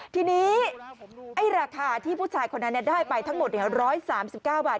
ทีนี้ไอ้ราคาที่ผู้ชายคนนั้นได้ไปทั้งหมด๑๓๙บาท